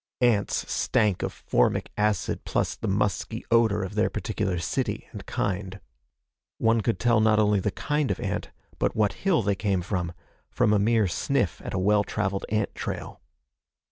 Ants stank of formic acid plus the musky odor of their particular city and kind. One could tell not only the kind of ant but what hill they came from, from a mere sniff at a well traveled ant trail.